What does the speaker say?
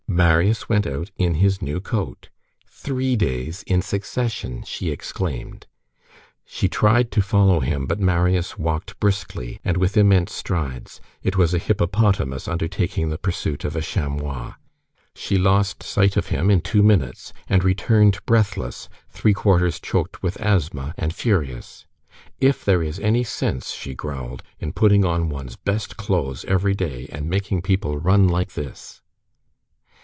Marius went out in his new coat. "Three days in succession!" she exclaimed. She tried to follow him, but Marius walked briskly, and with immense strides; it was a hippopotamus undertaking the pursuit of a chamois. She lost sight of him in two minutes, and returned breathless, three quarters choked with asthma, and furious. "If there is any sense," she growled, "in putting on one's best clothes every day, and making people run like this!"